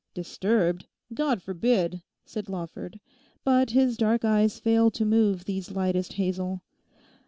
'Disturbed? God forbid!' said Lawford, but his dark eyes failed to move these lightest hazel.